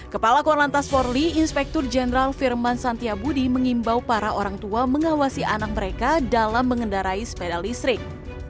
kepala korlantas forli inspektur jenderal firman santiabudi mengimbau para orang tua mengawasi anak mereka dalam mengendarai sepeda listrik